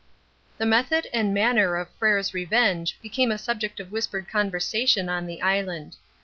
The method and manner of Frere's revenge became a subject of whispered conversation on the island.